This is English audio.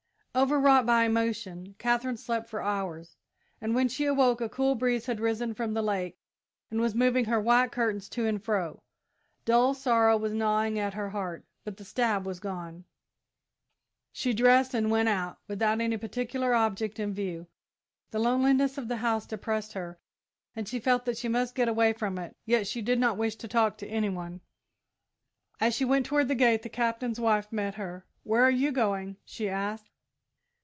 Overwrought by emotion, Katherine slept for hours, and when she awoke a cool breeze had risen from the lake and was moving her white curtains to and fro. Dull sorrow was gnawing at her heart, but the stab was gone. She dressed and went out, without any particular object in view. The loneliness of the house depressed her, and she felt that she must get away from it; yet she did not wish to talk to any one. As she went toward the gate the Captain's wife met her. "Where are you going?" she asked.